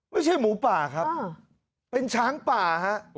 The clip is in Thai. ไม่ใช่หมูป่าครับเป็นช้างป่าฮะ